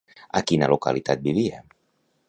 A quina localitat vivia?